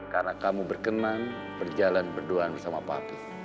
karena kamu berkenan berjalan berduaan bersama papi